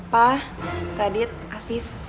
pak radit afif